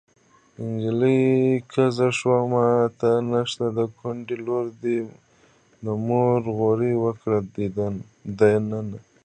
نجلۍ کږه شوه ماته نشته د کونډې لور ده مور غوړي ورکړې دينه